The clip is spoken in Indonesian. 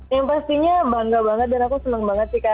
yang pastinya bangga banget dan aku senang banget sih kak